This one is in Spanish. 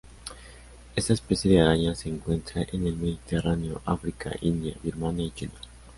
Esta especie de araña se encuentra en el Mediterráneo, África, India, Birmania y China.